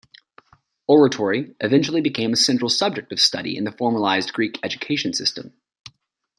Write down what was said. Oratory eventually became a central subject of study in the formalized Greek education system.